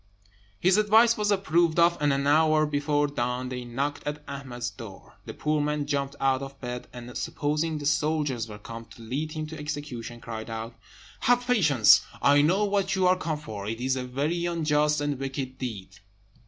His advice was approved of, and an hour before dawn they knocked at Ahmed's door. The poor man jumped out of bed, and supposing the soldiers were come to lead him to execution, cried out, "Have patience! I know what you are come for. It is a very unjust and wicked deed."